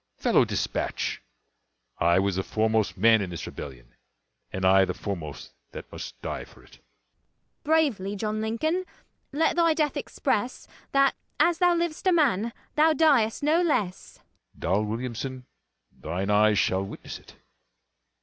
Fellow, dispatch: I was the foremost man in this rebellion, And I the foremost that must die for it. DOLL. Bravely, John Lincoln, let thy death express, That, as thou liv'dst a man, thou diest no less. LINCOLN. Doll Williamson, thine eyes shall witness it.